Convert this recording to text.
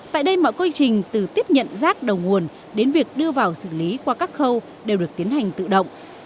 tại đây mọi quy trình từ tiếp nhận rác đầu nguồn đến việc đưa vào xử lý qua các khâu đều được tiến hành tự động